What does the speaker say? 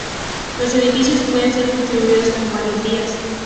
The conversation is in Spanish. Los edificios pueden ser construidos en varios días.